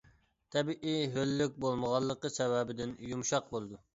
تەبىئىي ھۆللۈك بولمىغانلىقى سەۋەبىدىن يۇمشاق بولىدۇ.